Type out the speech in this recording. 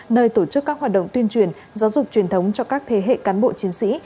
nơi tổ chức các hoạt động tuyên truyền giáo dục truyền thống cho các thế hệ cán bộ chiến sĩ